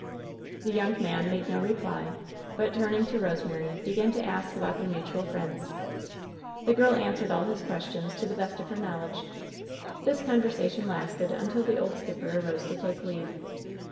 The young man made no reply, but turning to Bose mary, began to ask about their mutual friends. The girl answered all his questions to the best of lier knowledge. 1«4 WHEN SHADOWS DIE This conversation lasted until the old skipper arose to take leave.